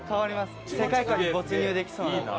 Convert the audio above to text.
世界観に没入できそうな。